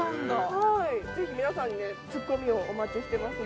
ぜひ皆さんツッコミをお待ちしてますので。